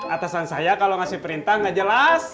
atasan saya kalau ngasih perintah nggak jelas